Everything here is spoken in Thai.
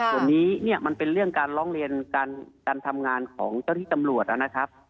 ส่วนนี้เนี่ยมันเป็นเรื่องการร้องเรียนการทำงานของเจ้าที่ตำรวจนะครับ